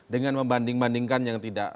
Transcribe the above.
dengan membanding bandingkan yang tidak